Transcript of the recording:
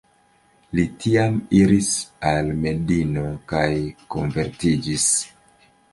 Li tiam iris al Medino kaj konvertiĝis..